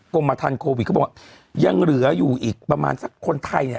กรมฐานโควิดเขาบอกว่ายังเหลืออยู่อีกประมาณสักคนไทยเนี่ย